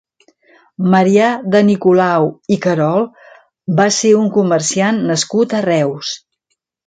Marià de Nicolau i Querol va ser un comerciant nascut a Reus.